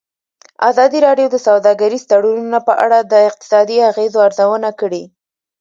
ازادي راډیو د سوداګریز تړونونه په اړه د اقتصادي اغېزو ارزونه کړې.